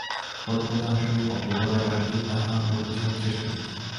প্রথমত আসুন, এই অপূর্ব ব্যাপার কি, তাহা আমরা বুঝিবার চেষ্টা করি।